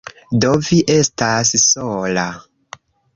Do, vi estas sola